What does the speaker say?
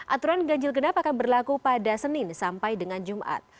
aturan ganjil genap akan berlaku pada senin sampai dengan jumat